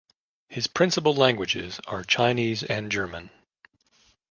His principal languages are Chinese and German.